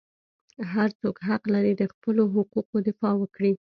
هر څوک حق لري د خپلو حقوقو دفاع وکړي.